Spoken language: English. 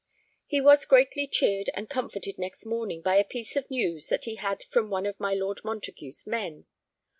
He was greatly cheered and comforted next morning by a piece of news that he had from one of my Lord Montague's men.